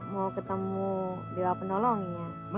mau ketemu dewa penolongnya